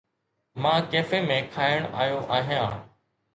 مان ڪيفي ۾ کائڻ آيو آهيان.